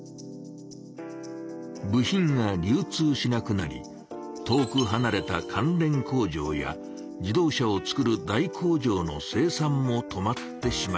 部品が流通しなくなり遠くはなれた関連工場や自動車を作る大工場の生産も止まってしまいました。